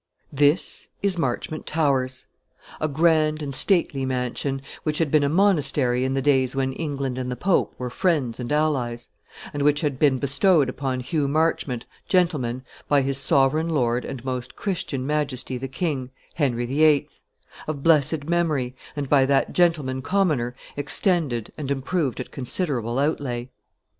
This is Marchmont Towers, a grand and stately mansion, which had been a monastery in the days when England and the Pope were friends and allies; and which had been bestowed upon Hugh Marchmont, gentleman, by his Sovereign Lord and Most Christian Majesty the King Henry VIII, of blessed memory, and by that gentleman commoner extended and improved at considerable outlay.